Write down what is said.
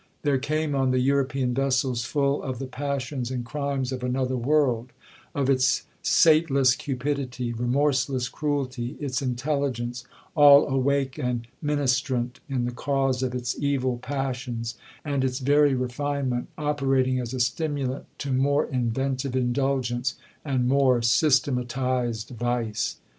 There came on the European vessels full of the passions and crimes of another world,—of its sateless cupidity, remorseless cruelty, its intelligence, all awake and ministrant in the cause of its evil passions, and its very refinement operating as a stimulant to more inventive indulgence, and more systematized vice.